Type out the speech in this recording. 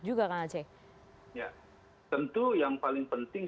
tentu yang paling penting